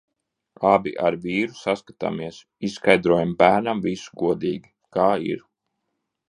Abi ar vīru saskatāmies. Izskaidrojam bērnam visu godīgi, kā ir.